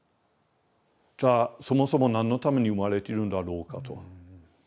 じゃあそもそも何のために生まれているんだろうかと。